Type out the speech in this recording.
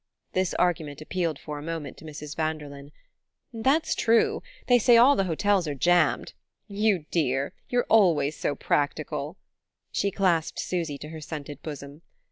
This argument appealed for a moment to Mrs. Vanderlyn. "That's true; they say all the hotels are jammed. You dear, you're always so practical!" She clasped Susy to her scented bosom.